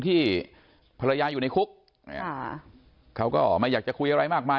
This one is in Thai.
ที่ภรรยาอยู่ในคุกเขาก็ไม่อยากจะคุยอะไรมากมาย